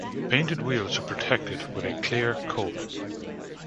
Painted wheels are protected with a clear coat.